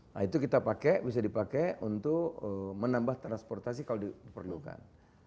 nah itu kita pakai bisa dipakai untuk menambah transportasi kalau diperlukan